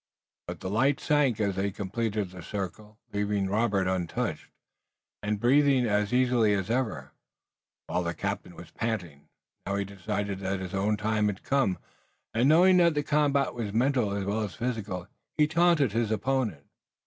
But the light sank as they completed the circle, leaving Robert untouched, and breathing as easily as ever, while the captain was panting. Now he decided that his own time had come and knowing that the combat was mental as well as physical he taunted his opponent.